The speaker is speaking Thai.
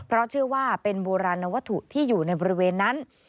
เพราะเชื่อว่าเป็นโบราณวัตถุที่อยู่ในบริเวณนั้น